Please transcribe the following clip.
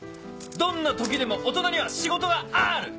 どんな時でも大人には仕事がある！